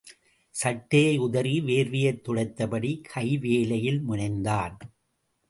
சட்டையை உதறி வேர்வையைத் துடைத்தபடி கைவேலையில் முனைந்தான்.